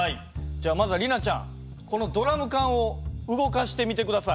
じゃあまずは里奈ちゃんこのドラム缶を動かしてみて下さい。